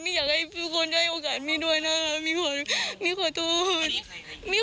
ไงบ้างไม่ไม่ไม่ไม่ไม่ไม่ไม่ไม่ไม่ไม่ไม่ไม่ไม่ไม่